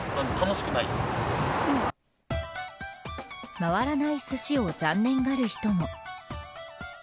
回らないすしを残念がる人も。